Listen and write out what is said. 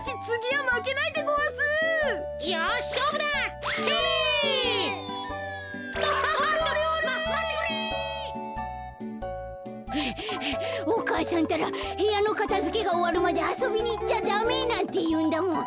はあはあお母さんたらへやのかたづけがおわるまであそびにいっちゃダメなんていうんだもん。